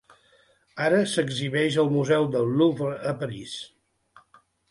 Ara s'exhibeix al museu del Louvre a París.